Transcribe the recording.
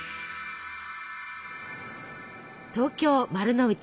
東京丸の内。